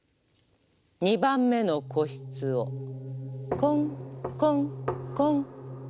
２番目の個室をコンコンコン。